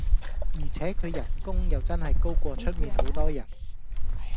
而且佢人工又真係高過出面好多人